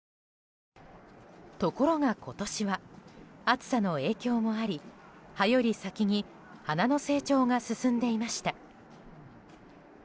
ところが今年は暑さの影響もあり葉より先に花の成長が進んでいました。